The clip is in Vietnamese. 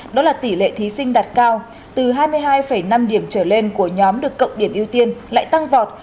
đó là tỷ lệ thí sinh đạt cao từ hai mươi hai năm điểm trở lên của nhóm được cộng điểm ưu tiên lại tăng vọt